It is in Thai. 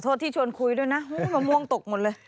ที่ชวนคุยด้วยนะมะม่วงตกหมดเลย